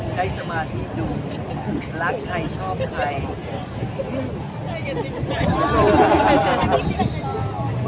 สมาธิดูรักใครชอบใคร